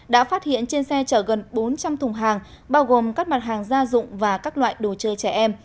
đã phát hiện trên xe chở gần bốn trăm linh thùng hàng bao gồm các mặt hàng gia dụng và các loại đồ chơi trẻ em